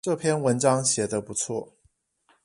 這篇文章寫的不錯